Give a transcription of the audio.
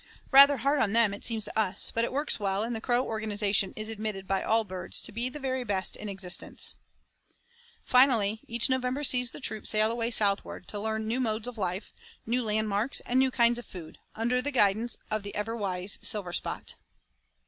Rather hard on them it seems to us, but it works well and the crow organization is admitted by all birds to be the very best in existence. Finally, each November sees the troop sail away southward to learn new modes of life, new landmarks and new kinds of food, under the guidance of the everwise Silverspot.